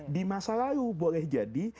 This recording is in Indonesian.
di masa lalu boleh jadi